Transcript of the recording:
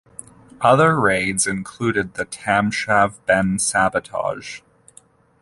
Other raids included the Thamshavnbanen sabotage.